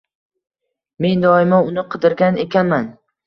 Men doimo uni qidirgan ekanman